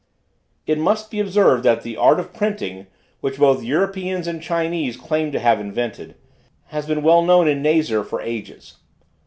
It must be observed that the art of printing, which both the Europeans and Chinese claim to have invented, has been well known in Nazar for ages.